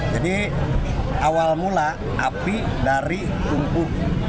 jadi awal mula api dari tungku